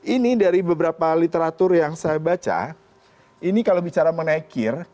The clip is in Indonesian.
ini dari beberapa literatur yang saya baca ini kalau bicara mengenai kir